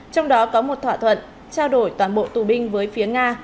trong đó có một thỏa thuận trao đổi toàn bộ tù binh với phía nga